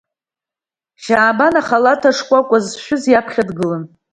Шьаабан ахалаҭа шкәакәа зшәыз иаԥхьа дгылан.